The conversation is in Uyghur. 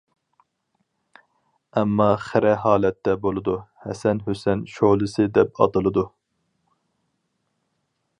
ئەمما خىرە ھالەتتە بولىدۇ، «ھەسەن-ھۈسەن شولىسى» دەپ ئاتىلىدۇ.